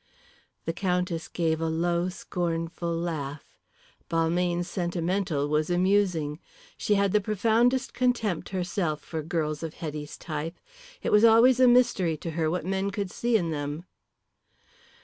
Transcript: The Countess gave a low, scornful laugh. Balmayne sentimental was amusing. She had the profoundest contempt herself for girls of Hetty's type. It was always a mystery to her what men could see in them.